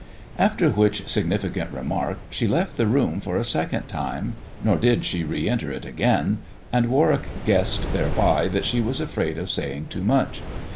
After which significant remark she left the room for a second time, nor did she re enter it again, and Warwici guessed thereby that she was afraid of saying too much.